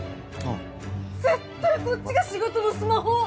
絶対こっちが仕事のスマホ！